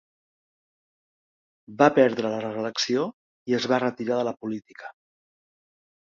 Va perdre la reelecció i es va retirar de la política.